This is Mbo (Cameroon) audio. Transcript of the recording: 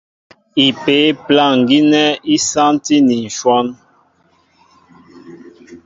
Ipě' plâŋ gínɛ́ í sántí ni ǹshɔ́n.